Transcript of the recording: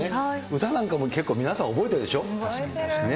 歌なんかも、結構皆さん、覚えているでしょう。